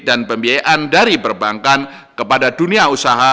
dan pembiayaan dari perbankan kepada dunia usaha